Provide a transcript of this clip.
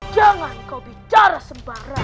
jangan kau bicara sembarang